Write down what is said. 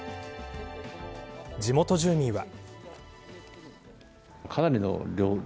地元住民は。